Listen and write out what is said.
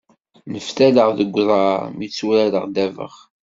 Neftaleɣ deg uḍar mi tturareɣ ddabex.